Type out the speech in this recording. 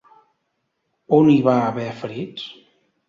On hi va haver ferits?